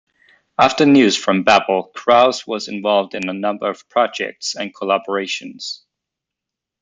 After News from Babel, Krause was involved in a number of projects and collaborations.